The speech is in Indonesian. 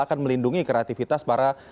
akan melindungi kreativitas para